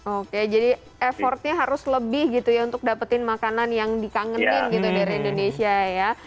oke jadi effortnya harus lebih gitu ya untuk dapetin makanan yang dikangenin gitu dari indonesia ya